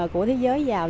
của thế giới giàu